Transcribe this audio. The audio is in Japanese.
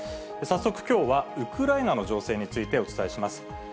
早速きょうはウクライナの情勢についてお伝えします。